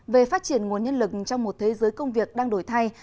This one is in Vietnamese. về phát triển nguồn nhân lực trong một thế giới công việc đang đổi thay